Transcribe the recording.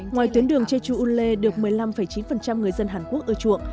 ngoài tuyến đường jeju unle được một mươi năm chín người dân hàn quốc ưa chuộng